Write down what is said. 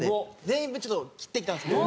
全員分ちょっと切ってきたんですけど。